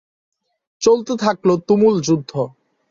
চলতে থাকল তুমুল যুদ্ধ।